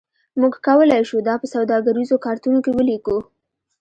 موږ کولی شو دا په سوداګریزو کارتونو کې ولیکو